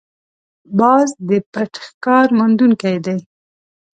باز د پټ ښکار موندونکی دی